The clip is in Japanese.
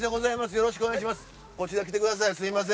よろしくお願いします。